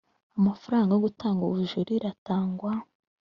amafaranga yo gutanga ubujurire atangwa